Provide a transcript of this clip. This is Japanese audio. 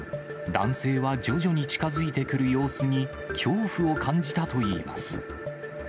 男性は徐々に近づいてくる様子に、恐怖を感じたといいます。